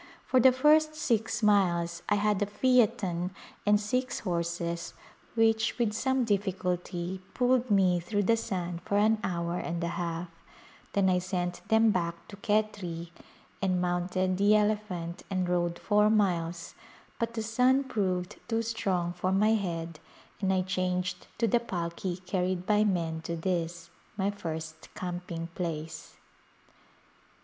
For the first six miles I had a phaeton and six horses which with some difficulty pulled me through the sand for an hour and a half; then I sent them back to Khetri and mounted the elephant and rode four miles but the sun proved too strong for my head and I changed to the palki carried by men to this, my first camping place.